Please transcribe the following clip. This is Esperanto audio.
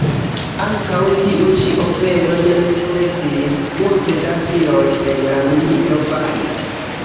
Ankaŭ tiu ĉi ofero ne sukcesis, multe da viroj en la milito falis.